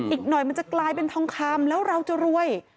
อีกหน่อยมันจะกลายเป็นทองคำแล้วเราจะรวย